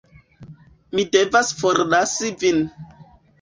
Mi devas forlasi vin.